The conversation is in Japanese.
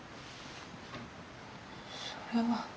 それは。